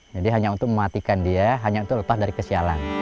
jadi hanya untuk mematikan dia hanya untuk lepas dari kesialan